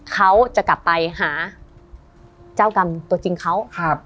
เขาจะกลับไปหาเจ้ากรรมตัวจริงเขาครับ